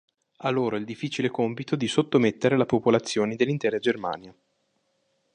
A loro il difficile compito di sottomettere le popolazioni dell'intera Germania.